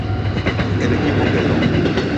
El equipo quebró.